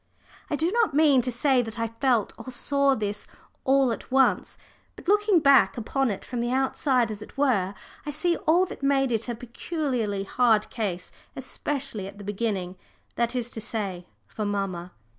I do not mean to say that I felt or saw all this at once, but looking back upon it from the outside, as it were, I see all that made it a peculiarly hard case, especially at the beginning, that is to say for mamma.